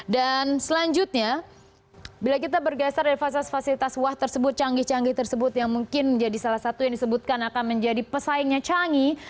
dan selanjutnya bila kita bergeser dari fasilitas fasilitas wad tersebut canggih canggih tersebut yang mungkin menjadi salah satu yang disebutkan akan menjadi pesaingnya canggih